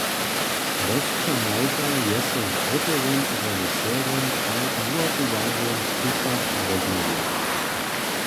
Bosćan Nawka je so z awtorom, režiserom a wuhotowarjom krucha rozmołwjał.